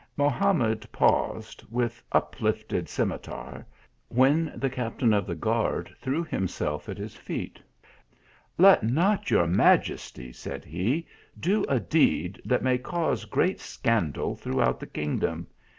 Mohamed paused, with uplifted scimitar, when the captain of the guard threw himself at his feet. " Let not your majesty," said he, " do a deed that may cause great scandal throughout the kingdom.